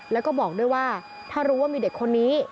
แล้วก็บอกด้วยว่าถ้ารู้ว่ามีเด็กคนนี้